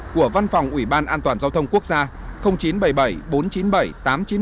của văn phòng ủy ban an toàn giao thông quốc gia